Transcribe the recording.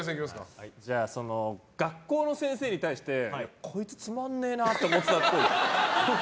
学校の先生に対してこいつつまんねーなと思ってたっぽい。